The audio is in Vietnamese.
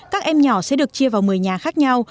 các em nhỏ sẽ được chia vào một mươi nhà khác nhau